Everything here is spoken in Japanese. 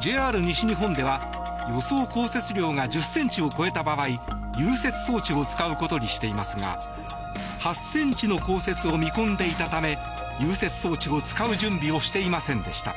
ＪＲ西日本では予想降雪量が１０ｃｍを超えた場合融雪装置を使うことにしていますが８ｃｍの降雪を見込んでいたため融雪装置を使う準備をしていませんでした。